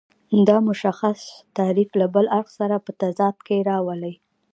دا متشخص تعریف له بل اړخ سره په تضاد کې راولي.